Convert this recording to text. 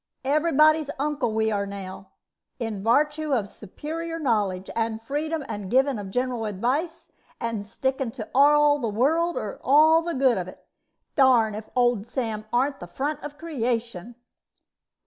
Every body's uncle we are now, in vartue of superior knowledge, and freedom, and giving of general advice, and stickin' to all the world, or all the good of it. Darned if old Sam aren't the front of creation!"